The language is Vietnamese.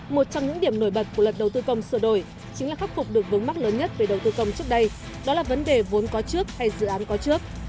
một trong những điểm nổi bật của luật đầu tư công sửa đổi chính là khắc phục được vấn mắc lớn nhất về đầu tư công trước đây đó là vấn đề vốn có trước hay dự án có trước